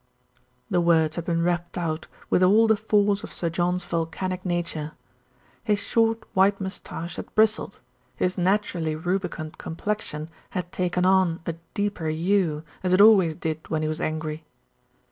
The words had been rapped out with all the force of Sir John's volcanic nature. His short white moustache had bristled, his naturally rubicund complexion had taken on a deeper hue, as it always did when he was angry.